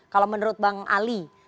kalau menurut bang ali